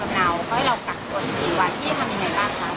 เขาให้เรากัดกฎสี่วันพี่จะทำยังไงบ้างคะ